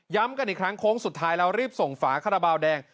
กันอีกครั้งโค้งสุดท้ายแล้วรีบส่งฝาคาราบาลแดง